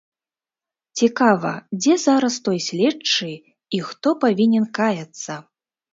Цікава, дзе зараз той следчы, і хто павінен каяцца?